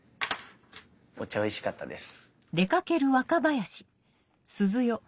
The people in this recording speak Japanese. お茶おいしかったです。